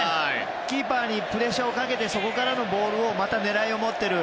キーパーにプレッシャーをかけてそこからのボールをまた狙いを持っている。